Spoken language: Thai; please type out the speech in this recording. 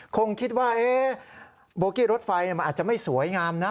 คงคิดว่าโบกี้รถไฟมันอาจจะไม่สวยงามนะ